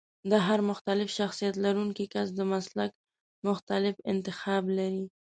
د هر مختلف شخصيت لرونکی کس د مسلک مختلف انتخاب لري.